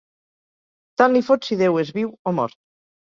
Tant li fot si Déu és viu o mort.